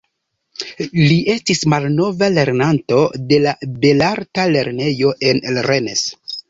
Li estis malnova lernanto de la belarta lernejo en Rennes.